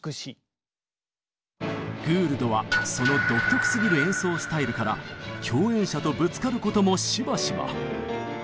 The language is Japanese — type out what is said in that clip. グールドはその独特すぎる演奏スタイルから共演者とぶつかることもしばしば。